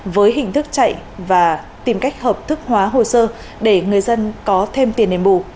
với hình thức chạy và tìm cách hợp thức hóa hồ sơ để người dân có thêm tiền đền bù